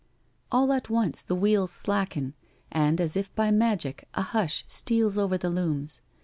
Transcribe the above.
All at once the wheels slacken, and as if by magic a hush steals over the looms.